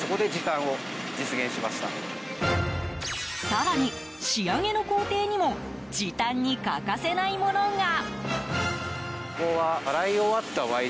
更に仕上げの工程にも時短に欠かせないものが。